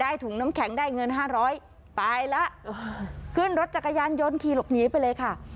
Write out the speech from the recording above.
ถุงน้ำแข็งได้เงินห้าร้อยตายแล้วขึ้นรถจักรยานยนต์ขี่หลบหนีไปเลยค่ะ